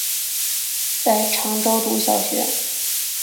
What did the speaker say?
在常州读小学。